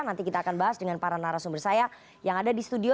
nanti kita akan bahas dengan para narasumber saya yang ada di studio